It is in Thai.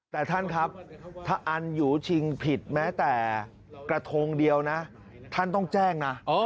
แต่ท่านครับถ้าอันหยูชิงผิดแม้แต่กระทงเดียวนะท่านต้องแจ้งนะ